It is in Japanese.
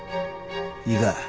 いいか。